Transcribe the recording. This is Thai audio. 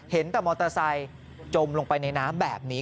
เห็นแต่มอเตอร์ไซค์จมลงไปในน้ำแบบนี้